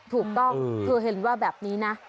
ถูกต้องเธอเห็นว่าแบบนี้นะ